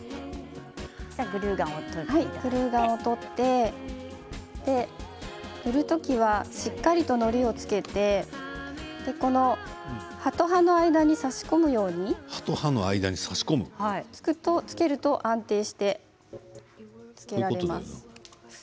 グルーガンを取って塗る時はしっかりとのりをつけて葉っぱと葉っぱの間に差し込むようにつけると安定してつけられます。